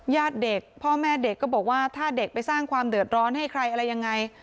ญาติเด็กพ่อแม่เด็กก็บอกว่าถ้าเด็กไปสร้างความเดือดร้อนให้ใครอะไรยังไง